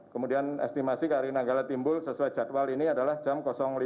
kemudian estimasi kri nanggala timbul sesuai jadwal ini adalah jam lima